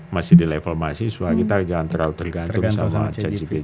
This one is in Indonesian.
masih di level mahasiswa kita jangan terlalu tergantung sama cacipta kerja